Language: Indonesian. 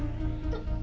una dua tiga adik